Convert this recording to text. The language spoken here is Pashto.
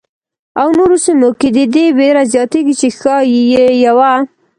او نورو سیمو کې د دې وېره زیاتېږي چې ښايي یوه.